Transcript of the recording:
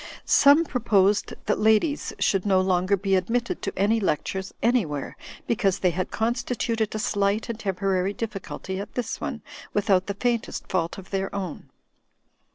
Some proposed that ladies should no longer be admitted to any lectures anjrwhere, because they had constituted a slight and temporary difficulty at this one, without the faintest fault of their own.